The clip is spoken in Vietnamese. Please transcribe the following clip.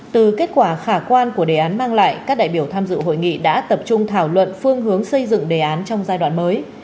từ kết quả khả quan của đề án mang lại các đại biểu tham dự hội nghị đã tập trung thảo luận phương hướng xây dựng đề án trong giai đoạn mới